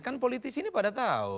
kan politisi ini pada tahu